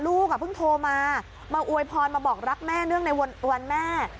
ลูกเพิ่งโทรมามาอวยพรมาบอกรักแม่เนื่องในวันแม่